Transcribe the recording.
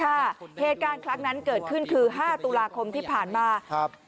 ค่ะเหตุการณ์ครั้งนั้นเกิดขึ้นคือ๕ตุลาคมที่ผ่านมา